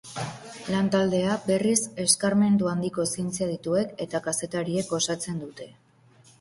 Lantaldea, berriz, eskarmentu handiko zientzia-adituek eta kazetariek osatzen dute.